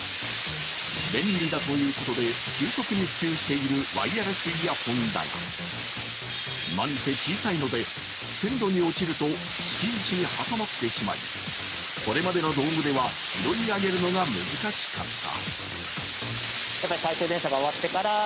便利だということで急速に普及しているワイヤレスイヤホンだが、何せ小さいので、線路に落ちると敷石に挟まってしまい、これまでの道具では拾い上げるのが難しかった。